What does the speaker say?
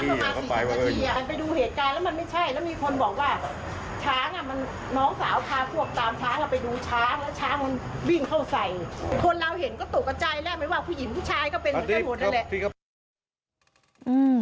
มีผู้หญิงผู้ชายก็เหมือนกันเลย